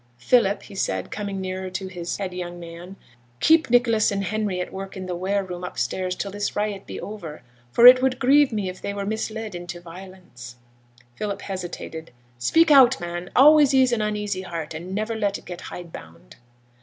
Philip,' he said, coming nearer to his 'head young man,' 'keep Nicholas and Henry at work in the ware room upstairs until this riot be over, for it would grieve me if they were misled into violence.' Philip hesitated. 'Speak out, man! Always ease an uneasy heart, and never let it get hidebound.'